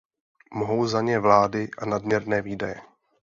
Mohou za ně vlády a nadměrné výdaje.